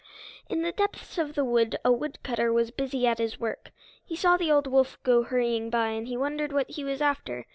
In the depths of the wood a woodcutter was busy at his work. He saw the old wolf go hurrying by, and he wondered what he was after.